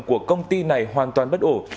của công ty này hoàn toàn bất ổ